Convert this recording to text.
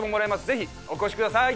ぜひお越しください！